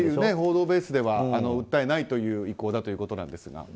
報道ベースだと訴えないという意向だということなんですが。